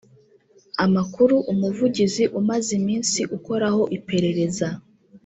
Amakuru Umuvugizi umaze iminsi ukoraho iperereza